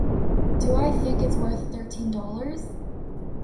Do I think it's worth thirteen dollars?